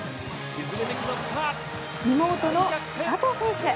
妹の千怜選手。